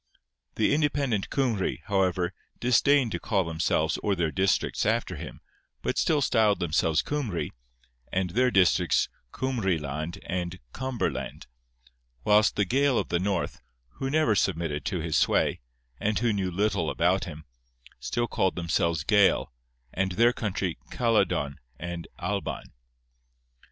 The independent Cymry, however, disdained to call themselves or their districts after him, but still styled themselves Cymry, and their districts Cumrie land and Cumberland; whilst the Gael of the North, who never submitted to his sway, and who knew little about him, still called themselves Gael, and their country Caledon and Alban.